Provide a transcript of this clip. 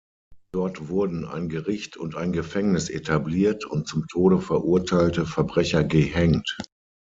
Dort wurden ein Gericht und ein Gefängnis etabliert und zum Tode verurteilte Verbrecher gehängt.